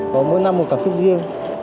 có mỗi năm một cảm xúc riêng